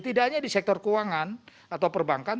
tidak hanya di sektor keuangan atau perbankan